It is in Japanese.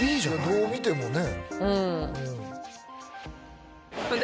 どう見てもね。